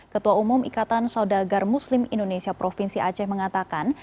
ketua umum ikatan saudagar muslim indonesia provinsi aceh mengatakan